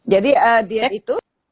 jadi diet itu